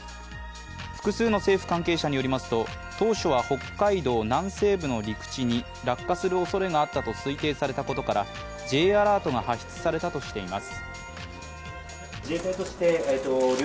複数の政府関係者によりますと当初は北海道南西部の陸地に落下するおそれがあったと推定されたことからＪアラートが発出されたとしています。